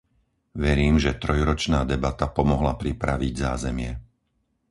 Verím, že trojročná debata pomohla pripraviť zázemie.